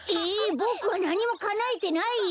ボクはなにもかなえてないよ。